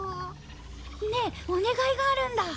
ねえお願いがあるんだ。